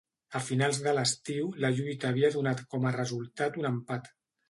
A finals de l"estiu, la lluita havia donat com a resultat un empat.